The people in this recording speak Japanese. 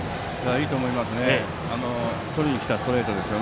いいと思います。